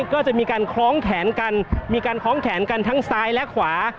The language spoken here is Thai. ก็จะมีการคล้องแขนกันทั้งซ้ายและขวา